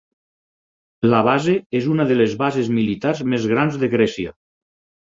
La base és una de les bases militars més grans de Grècia.